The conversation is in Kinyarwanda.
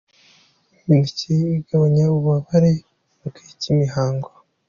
Imineke igabanya ububabare mu gihe cy’imihango .